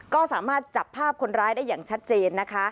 ก็สามารถจับภาพคนร้ายได้อย่างชัดเจนนะคะ